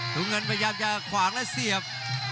ถุงเงินพยายามจะขวางและเสียบ